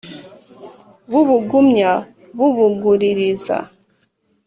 B'ubugumya, b'ubuguririza,